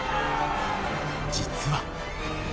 実は。